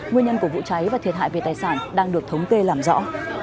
nguyên nhân của vụ cháy và thiệt hại về tài sản đang được thống kê làm rõ